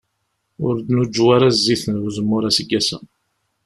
Ur d-nuǧew ara zzit n uzemmur aseggas-a.